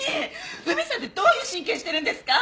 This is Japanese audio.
史さんってどういう神経してるんですか？